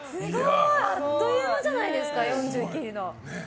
あっという間じゃないですか４０秒切りが。